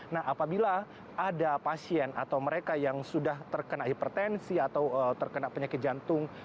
nah apabila ada pasien atau mereka yang sudah terkena hipertensi atau terkena penyakit jantung